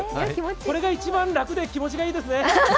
これが一番楽で気持ちがいいですね。